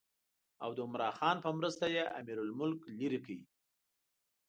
او د عمرا خان په مرسته یې امیرالملک لرې کړ.